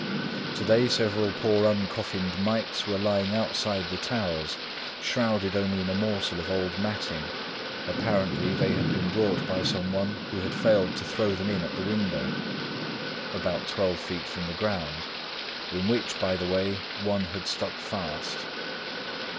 To day several poor uncoffined mites were lying outside the towers, shrouded only in a morsel of old matting—apparently they had been brought by some one who had failed to throw them in at the window ('about twelve feet from the ground'), in which, by the way, one had stuck fast!